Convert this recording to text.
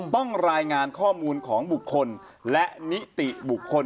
ต้องรายงานข้อมูลของบุคคลและนิติบุคคล